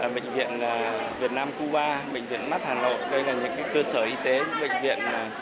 bệnh viện việt nam cuba bệnh viện mắt hà nội đây là những cơ sở y tế bệnh viện